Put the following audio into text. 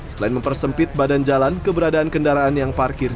selain mempersempit badan jalan keberadaan kendaraan yang parkir